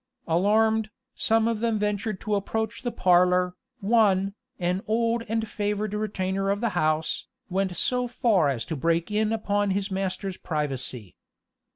Alarmed, some of them ventured to approach the parlor, one, an old and favored retainer of the house, went so far as to break in upon his master's privacy.